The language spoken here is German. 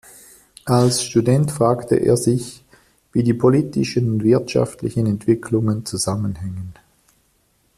Als Student fragte er sich, wie die politischen und wirtschaftlichen Entwicklungen zusammenhängen.